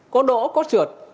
có đổ có trượt